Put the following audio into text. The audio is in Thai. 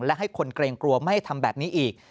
และให้คนเกรงกลัวไม่ให้ทำแบบนี้อีก